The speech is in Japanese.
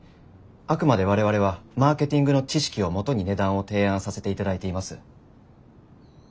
あくまで我々はマーケティングの知識をもとに値段を提案させていただいています。